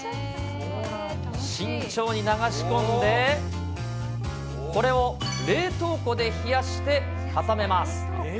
慎重に流し込んで、これを冷凍庫で冷やして固めます。